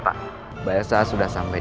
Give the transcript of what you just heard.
dia bukan pelaku yang berpikir